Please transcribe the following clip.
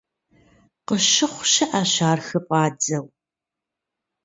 Къыщыхъу щыӀэщ ар хыфӀадзэу.